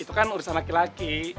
itu kan urusan laki laki